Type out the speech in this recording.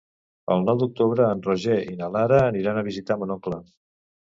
El nou d'octubre en Roger i na Lara aniran a visitar mon oncle.